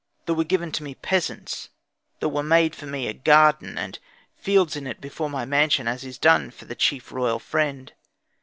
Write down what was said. There were given to me peasants; there were made for me a garden, and fields in it before my mansion, as is done for the chief royal friend.